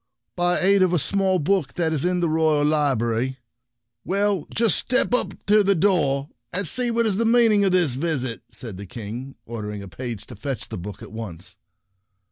" By the aid of a small book that is in the royal library." "Well, just step to the door, Interpreter and the Dragons 39 and see what is the meaning of this visit," said the King, order ing a page to fetch the book at once.